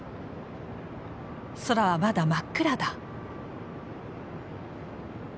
空はまだ真っ暗だ。